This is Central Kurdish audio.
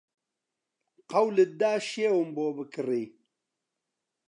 قەولت دا شێوم بۆ بکڕی